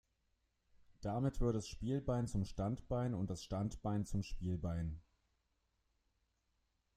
Damit wird das Spielbein zum Standbein und das Standbein zum Spielbein.